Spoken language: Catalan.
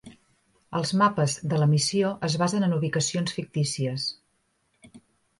Els mapes de la missió es basen en ubicacions fictícies.